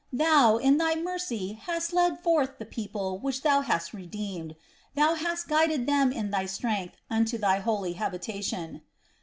"Thou, in thy mercy hast led forth the people which thou hast redeemed: thou hast guided them in thy strength unto thy holy habitation."